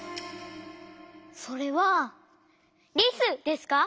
それはリスですか？